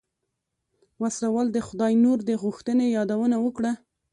وسله وال د خداينور د غوښتنې يادونه وکړه.